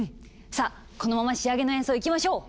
さあこのまま仕上げの演奏いきましょう！